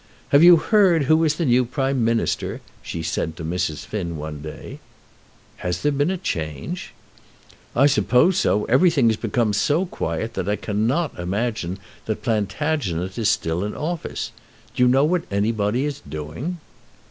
"Have you heard who is the new Prime Minister?" she said to Mrs. Finn one day. "Has there been a change?" "I suppose so. Everything has become so quiet that I cannot imagine that Plantagenet is still in office. Do you know what anybody is doing?"